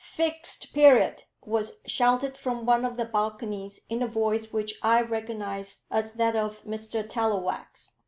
"Fixed Period," was shouted from one of the balconies in a voice which I recognised as that of Mr Tallowax.